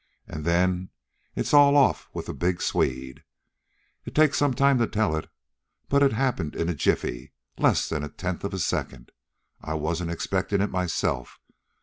An' then it's all off with the big Swede. It takes some time to tell it, but it happened in a jiffy, in less'n a tenth of a second. I wasn't expectin' it myself.